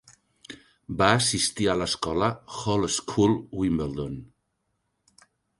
Va assistir a l'escola Hall School Wimbledon.